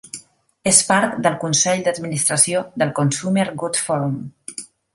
És part del consell d'administració del Consumer Goods Forum.